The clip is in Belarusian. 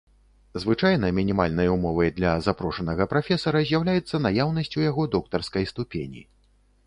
Звычайна мінімальнай умовай для запрошанага прафесара з'яўляецца наяўнасць у яго доктарскай ступені.